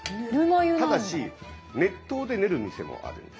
ただし熱湯で練る店もあるんです。